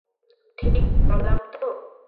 ঠিক বললাম তো?